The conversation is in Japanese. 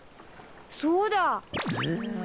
そうだ！